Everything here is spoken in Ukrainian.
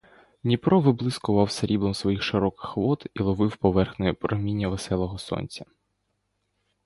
Дніпро виблискував сріблом своїх широких вод і ловив поверхнею проміння веселого сонця.